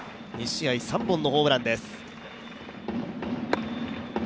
２試合３本のホームランです。